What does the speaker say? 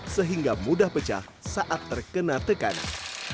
sehingga mudah pecah saat terkena tekanan